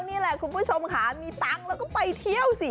นี่แหละคุณผู้ชมค่ะมีตังค์แล้วก็ไปเที่ยวสิ